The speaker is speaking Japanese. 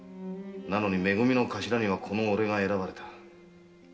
なのにめ組の頭にはこの俺が選ばれた。